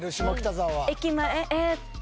駅前えっと。